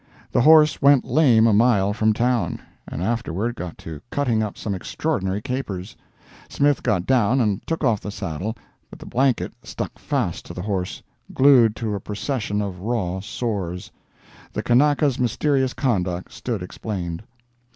The horse went lame a mile from town, and afterward got to cutting up some extraordinary capers. Smith got down and took off the saddle, but the blanket stuck fast to the horse—glued to a procession of raw sores. The Kanaka's mysterious conduct stood explained.